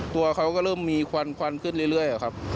ตัวเขาก็เริ่มมีควันขึ้นเรื่อยครับ